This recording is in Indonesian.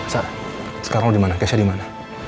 sa sekarang lo dimana keisha dimana